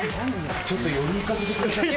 ちょっと寄り行かせてください。